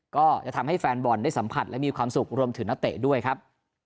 ก็จะทำให้แฟนบอลได้สัมผัสและมีความสุขรวมถึงนักเตะด้วยครับ